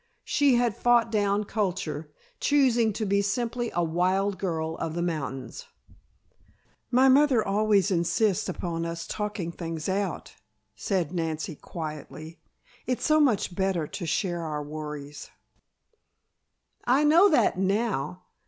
She had fought down culture, choosing to be simply a wild girl of the mountains. "My mother always insists upon us talking things out," said Nancy quietly. "It's so much better to share our worries " "I know that now.